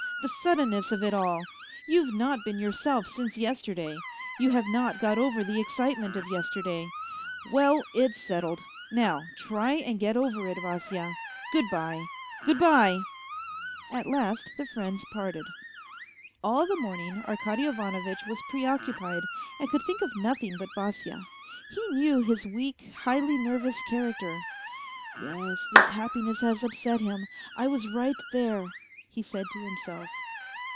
The suddenness of it all ; you've not been yourself since yesterday. You have not got over the excitement of yester day. Well, it's settled. Now try and get over it, Vasya. Good bye, good bye 1 " At last the friends parted. All the morning Arkady Ivanovitch was preoccupied, and could think of nothing but Vasya. He knew his weak, highly nervous character. " Yes, this happiness has upset him, I was right there," he said to himself.